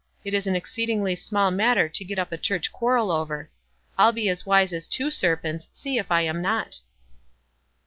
It is an exceedingly small matter to get up a church quarrel over. I'll be as wise as two serpents, see if I am not."